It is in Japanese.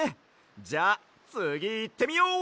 じゃあつぎいってみよう！